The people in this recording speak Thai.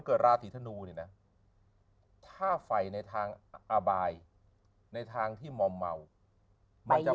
เกิดราศีธนูเนี่ยนะถ้าไฟในทางอบายในทางที่มอมเมามันจะ